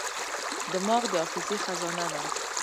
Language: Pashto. دماغ د حافظې خزانه ده.